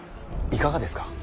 いかがですか。